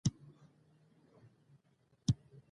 ژوندي خدای یادوي